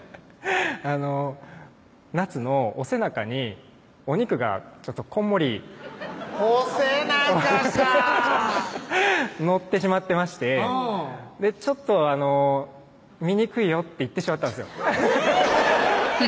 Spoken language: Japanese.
あのなつのお背中にお肉がこんもりお背中か乗ってしまってまして「ちょっと醜いよ」って言ってしまったんですよ